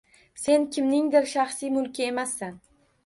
Sen – kimningdir shaxsiy mulki emassan!